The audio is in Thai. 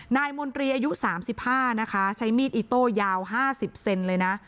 นายมนตรีอายุ๓๕ใช้มีดอิโต้ยาว๕๐เซน